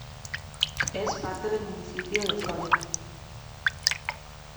Es parte del municipio de Tholen.